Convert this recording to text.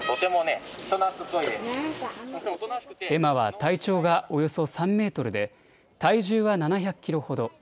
エマは体長がおよそ３メートルで体重は７００キロほど。